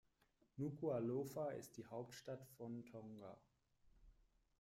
Nukuʻalofa ist die Hauptstadt von Tonga.